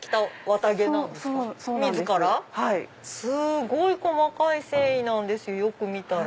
すごい細かい繊維なんですよく見たら。